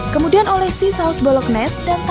kemudian olesi saus boloknes dan tersisa